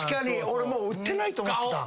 俺もう売ってないと思ってた。